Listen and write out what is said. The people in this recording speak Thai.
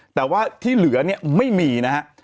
แต่ว่าที่เหลือไม่มีนะครับ